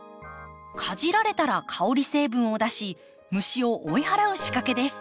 かじられたら香り成分を出し虫を追い払う仕掛けです。